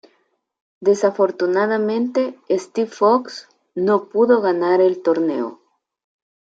Desafortunadamente, Steve Fox no pudo ganar el torneo.